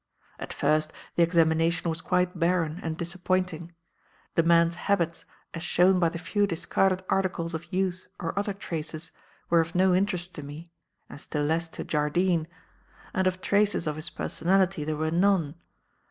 "At first, the examination was quite barren and disappointing. The man's habits, as shown by the few discarded articles of use or other traces, were of no interest to me and still less to Jardine; and of traces of his personality there were none.